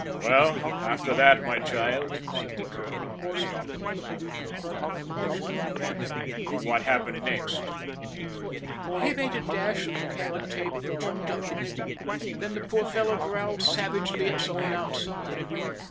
"Well, after that, my child," said the colonel, on her stopping for the moment, overcome with emotion, "what happened next?" "He made a dash at the cabin table and jumped up on it, and then the poor fellow growled savagely at some one outside.